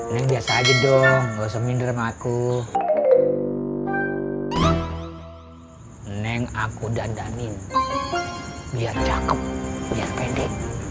neng aku dandanin biar cakep biar pede